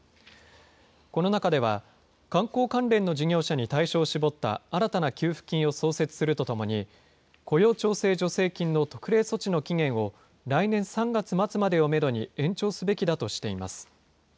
この中では観光関連の事業者に対象を絞った新たな給付金を創設するとともに、雇用調整助成金の特例措置の期限を、来年３月末までをメドに、延長すべきだとしています。